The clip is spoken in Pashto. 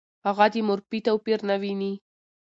هغه د مورفي توپیر نه ویني.